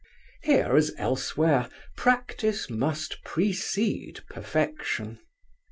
Here, as elsewhere, practice must, precede perfection.